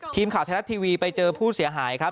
ทีมข่าวไทยรัฐทีวีไปเจอผู้เสียหายครับ